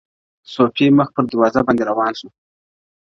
صوفي مخ پر دروازه باندي روان سو-